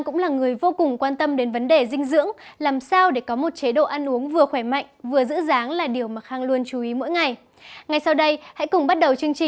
chào đón quý vị khán giả quay trở lại với chương trình